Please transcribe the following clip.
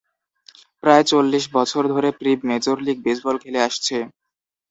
প্রায় চল্লিশ বছর ধরে প্রিব মেজর লীগ বেসবল খেলে আসছে।